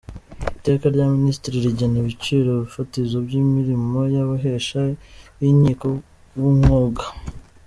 Iteka rya Minisitiri rigena ibiciro fatizo by’imirimo y’Abahesha b’Inkiko b’Umwuga ;